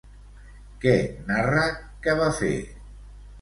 Què narra que va fer?